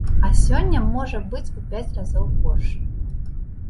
А сёння можа быць у пяць разоў горш.